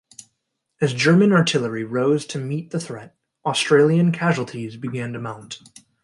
As German artillery rose to meet the threat, Australian casualties began to mount.